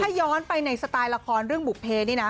ถ้าย้อนไปในสไตล์ละครเรื่องบุภเพนี่นะ